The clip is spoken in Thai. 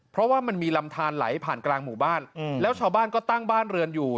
เพราะว่ามันมีลำทานไหลผ่านกลางหมู่บ้านแล้วชาวบ้านก็ตั้งบ้านเรือนอยู่